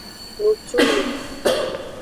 Nutume.